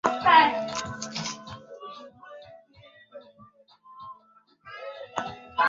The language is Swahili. pekee ya nishati na nguoUsimbishaji katika sehemu nyingi za Urusi